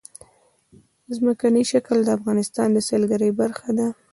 ځمکنی شکل د افغانستان د سیلګرۍ برخه ده.